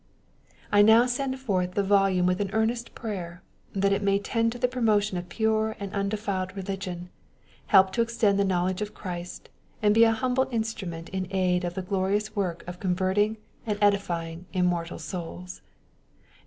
I now send forth the volume with an earnest prayer, that it may tend to the promotion of pure and undefiled religion, help to extend the knowledge of Christ, and be a humble instrument in aid of the glorious work of converting and edifying immortal souls.